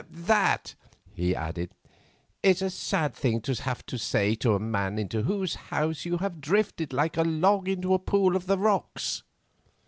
"That," he added, "is a sad thing to have to say to a man into whose house you have drifted like a log into a pool of the rocks."